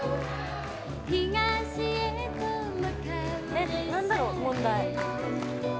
えっなんだろう？問題。